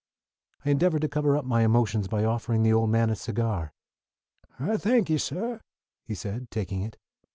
I endeavored to cover up my emotions by offering the old man a cigar. "I thank you, suh," he said, taking it.